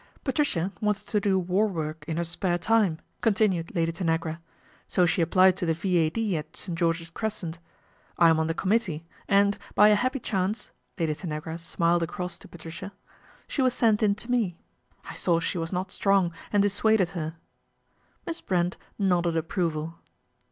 Patricia wanted to do war work in her spare e." continued Lady Tanagra, " so she applied the V.A.D. at St. George's Crescent. I am on e committee and, by a happy chance," Lady agra smiled across to Patricia, " she was sent to me. I saw she was not strong and dis aded her." Miss Brent nodded approval.